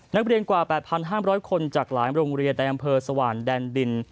นักเรียนกว่าแปดพันห้ามร้อยคนจากหลายโรงเรียนใดอำเภอสว่านแดนดิน